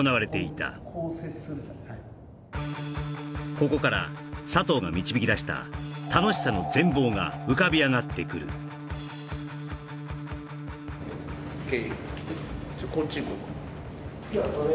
ここから佐藤が導き出した楽しさの全貌が浮かび上がってくるＯＫ